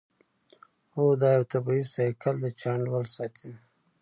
هو دا یو طبیعي سایکل دی چې انډول ساتي